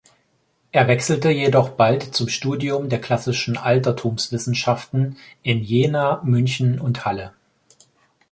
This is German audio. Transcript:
Er wechselte jedoch bald zum Studium der Klassischen Altertumswissenschaften in Jena, München und Halle.